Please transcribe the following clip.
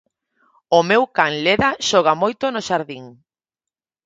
O meu can Leda xoga moito no xardín